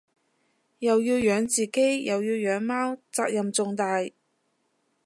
又要養自己又要養貓責任重大